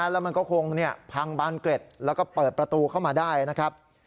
แล้วมันก็คงพังบานเกร็ดแล้วก็เปิดประตูเข้ามาได้นะครับ